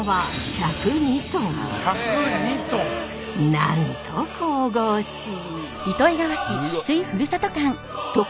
なんと神々しい！